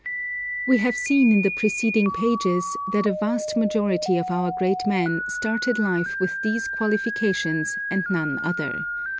We have seen in the preceding pages that a vast majority of our great men started life with these qualifications and none other.